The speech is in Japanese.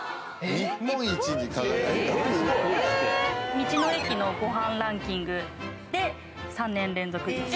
道の駅のご飯ランキングで３年連続１位。